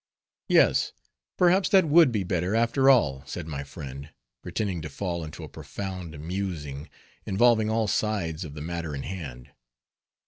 "Yes, perhaps that would be better, after all," said my friend, pretending to fall into a profound musing, involving all sides of the matter in hand.